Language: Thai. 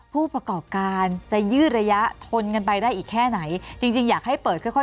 ผู้ประกอบการจะยืดระยะทนกันไปได้อีกแค่ไหนจริงจริงอยากให้เปิดค่อยค่อย